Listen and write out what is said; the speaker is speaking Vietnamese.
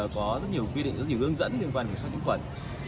có rất nhiều quy định rất nhiều hướng dẫn liên quan đến kiểm soát những khuẩn